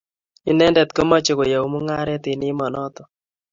Inendet komache koyou mung'aret eng' emonoto